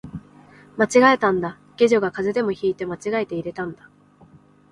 間違えたんだ、下女が風邪でも引いて間違えて入れたんだ